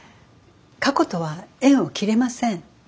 過去とは縁を切れません。